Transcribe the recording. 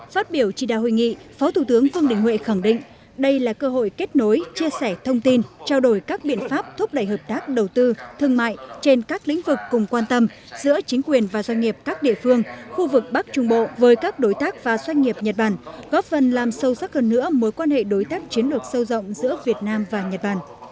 phát biểu chỉ đạo hội nghị phó thủ tướng vương đình huệ khẳng định đây là cơ hội kết nối chia sẻ thông tin trao đổi các biện pháp thúc đẩy hợp tác đầu tư thương mại trên các lĩnh vực cùng quan tâm giữa chính quyền và doanh nghiệp các địa phương khu vực bắc trung bộ với các đối tác và doanh nghiệp nhật bản góp phần làm sâu sắc hơn nữa mối quan hệ đối tác chiến lược sâu rộng giữa việt nam và nhật bản